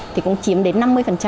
thì cũng chiếm đến năm mươi